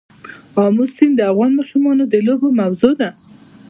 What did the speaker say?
آمو سیند د افغان ماشومانو د لوبو موضوع ده.